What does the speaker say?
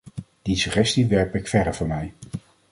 Die suggestie werp ik verre van mij.